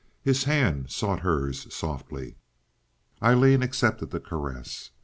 His hand sought hers softly. Aileen accepted the caress.